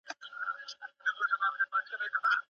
موږ باید د خپلو رخصتیو څخه سمه ګټه پورته کړو.